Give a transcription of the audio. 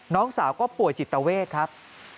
น้องสาวก็ป่วยจิตเวทครับ